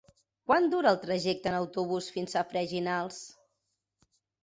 Quant dura el trajecte en autobús fins a Freginals?